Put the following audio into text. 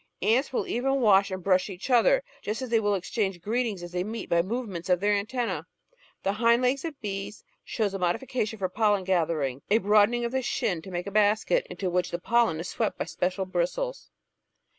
Ants will even wash and brush each other, just as they will exchange greetings, as they meet, by movements of their antenna;. The hind legs of bees show a modification for pollen gathering, a broadening of the "shin" to make a "basket," into which the pollen is swept by special bristles.